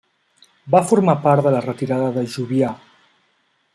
Va formar part de la retirada de Jovià.